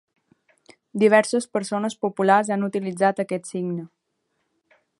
Diverses persones populars han utilitzat aquest signe.